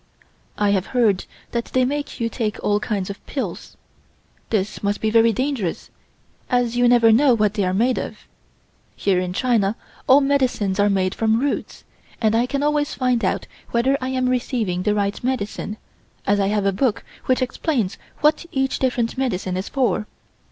I have heard that they make you take all kinds of pills. This must be very dangerous, as you never know what they are made of. Here in China all medicines are made from roots, and I can always find out whether I am receiving the right medicine, as I have a book which explains what each different medicine is for.